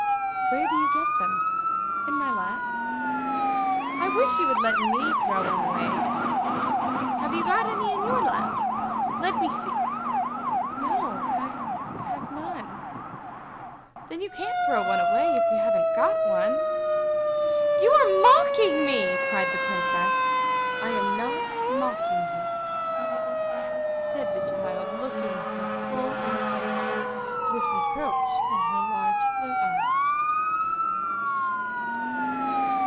"Where do you get them?" "In my lap." "I wish you would let me throw one away." "Have you got any in your lap? Let me see." "No; I have none." "Then you can't throw one away, if you haven't got one." "You are mocking me!" cried the princess. "I am not mocking you," said the child, looking her full in the face, with reproach in her large blue eyes.